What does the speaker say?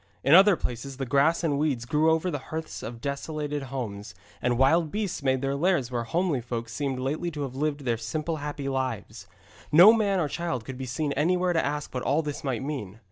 In other places the grass and weeds grew over the hearths of desolated homes, and wild beasts made their lairs where homely folk seemed lately to have lived their simple happy lives. No man or child could be seen anywhere to ask what all this might mean.